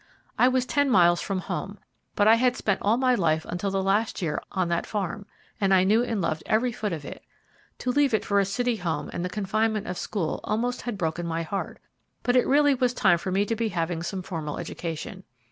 I was ten miles from home, but I had spent all my life until the last year on that farm, and I knew and loved every foot of it. To leave it for a city home and the confinement of school almost had broken my heart, but it really was time for me to be having some formal education.